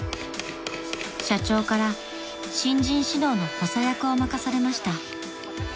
［社長から新人指導の補佐役を任されました］